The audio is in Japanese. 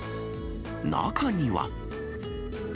中には。